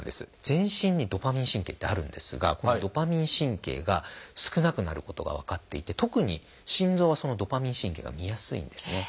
全身にドパミン神経ってあるんですがこのドパミン神経が少なくなることが分かっていて特に心臓はそのドパミン神経がみやすいんですね。